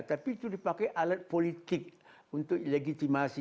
tapi itu dipakai alat politik untuk legitimasi